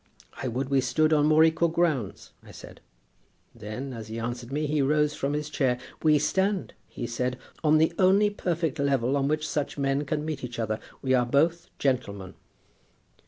'I would we stood on more equal grounds,' I said. Then as he answered me, he rose from his chair. 'We stand,' said he, 'on the only perfect level on which such men can meet each other. We are both gentlemen.'